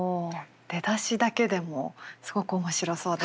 出だしだけでもすごく面白そうですね。